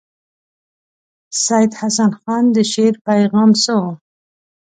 سید حسن خان د شعر پیغام څه وو.